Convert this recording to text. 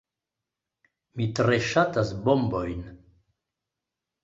Mi tre ŝatas bombojn.